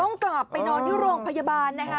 ต้องกลับไปนอนที่โรงพยาบาลนะคะ